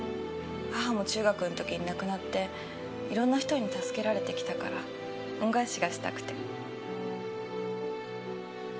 母も中学の時に亡くなっていろんな人に助けられてきたから恩返しがしたくて。